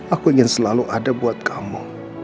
aku ingin selalu ada buat kamu